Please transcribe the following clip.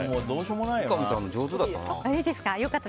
三上さん、上手だったな。